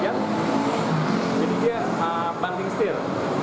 jadi dia banding setir